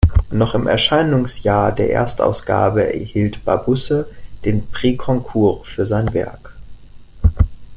Noch im Erscheinungsjahr der Erstausgabe erhielt Barbusse den Prix Goncourt für sein Werk.